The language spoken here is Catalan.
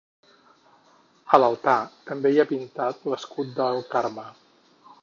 A l'altar també hi ha pintat l'escut del Carme.